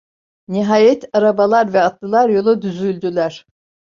Nihayet arabalar ve atlılar yola düzüldüler.